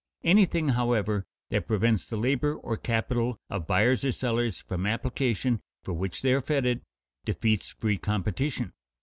Anything, however, that prevents the labor or capital of buyers or sellers from application for which they are fitted, defeats free competition.